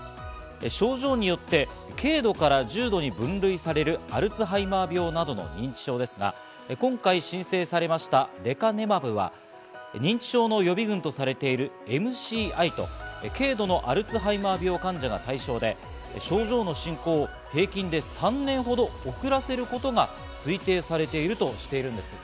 症状によって軽度から重度に分類されるアルツハイマー病などの認知症ですが、今回申請されましたレカネマブは認知症の予備軍とされているＭＣＩと軽度のアルツハイマー病患者が対象で、症状の進行を平均で３年ほど遅らせることが推定されているとしているんです。